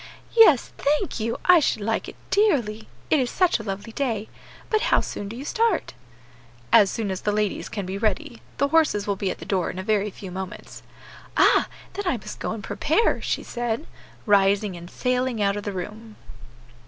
"Yes, thank you, I should like it dearly, it is such a lovely day. But how soon do you start?" "As soon as the ladies can be ready. The horses will be at the door in a very few moments." "Ah! then I must go and prepare," she said, rising and sailing out of the room.